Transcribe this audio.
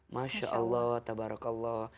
masya allah tabarakallah